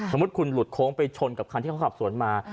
สมมุติคุณหลุดโค้งไปชนกับคันที่เขาขับสวนมา